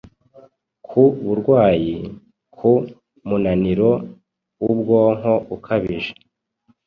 ku burwayi , ku munaniro w’ubwonko ukabije